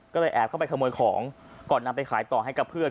ก็เลยแอบเข้าไปขโมยของก่อนนำไปขายต่อให้กับเพื่อน